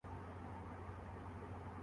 ارے بھئی جب ہم سانس باہر نکالتے ہیں